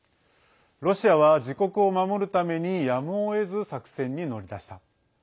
ロシアは自国を守るためにやむを得ず作戦に乗り出した。